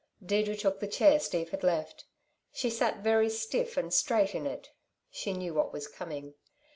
Deirdre took the chair Steve had left. She sat very stiff and straight in it. She knew what was coming.